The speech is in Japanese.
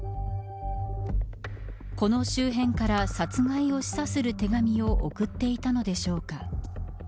この周辺から殺害を示唆する手紙を送っていたのでしょうか。